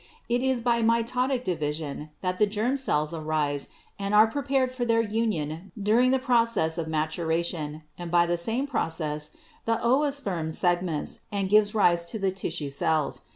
It is by mitotic division that the germ cells arise and are pre pared for their union during the process of maturation, and by the same process the oosperm segments and gives rise to the tissue cells.